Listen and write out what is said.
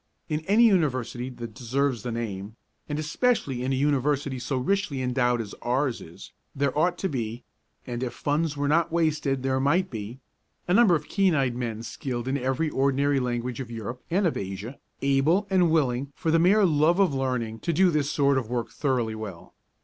In any University that deserves the name, and especially in a University so richly endowed as ours is, there ought to be, and if funds were not wasted there might be, a number of keen eyed men skilled in every ordinary language of Europe and of Asia, able and willing for the mere love of learning to do this sort of work thoroughly well.